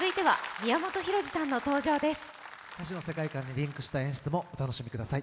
歌詞の世界観にリンクした演出もお楽しみください。